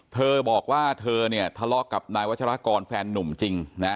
เธอบอกว่าเธอเนี่ยทะเลาะกับนายวัชรากรแฟนนุ่มจริงนะ